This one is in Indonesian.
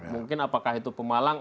mungkin apakah itu pemalang